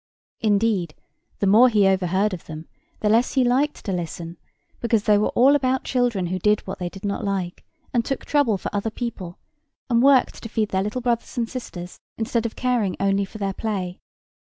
Indeed, the more he overheard of them, the less he liked to listen, because they were all about children who did what they did not like, and took trouble for other people, and worked to feed their little brothers and sisters instead of caring only for their play.